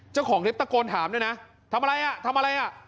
เจ้าของคลิปตะโกนถามด้วยนะทำอะไรอ่ะทำอะไรอ่ะ